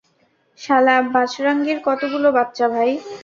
শালা বাজরঙ্গীর কতগুলো বাচ্চা, ভাই?